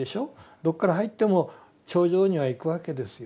どこから入っても頂上には行くわけですよ。